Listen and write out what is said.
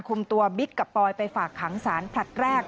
คุมตัวบิ๊กกับปอยไปฝากขังสารผลัดแรก